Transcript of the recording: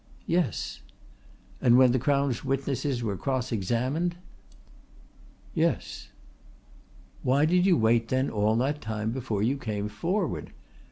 "Yes." "And when the Crown's witnesses were cross examined?" "Yes." "Why did you wait then all that time before you came forward?"